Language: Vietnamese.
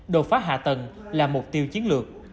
đột pháp hạ tầng là mục tiêu chiến lược